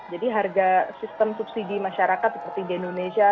jadi harga sistem subsidi masyarakat seperti di indonesia